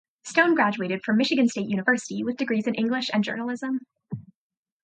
Stone graduated from Michigan State University with degrees in English and Journalism.